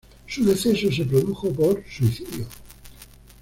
Su deceso se produjo por suicidio.